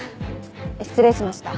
失礼しました。